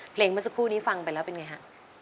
เมื่อสักครู่นี้ฟังไปแล้วเป็นไงฮะ